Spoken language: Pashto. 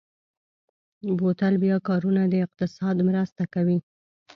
بوتل بیا کارونه د اقتصاد مرسته کوي.